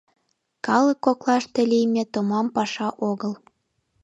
— Калык коклаште лийме томам паша огыл».